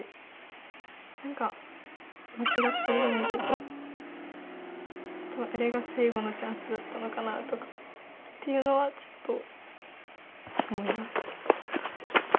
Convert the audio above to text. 何か間違ってるじゃないけど多分あれが最後のチャンスだったのかなとかっていうのはちょっと思います。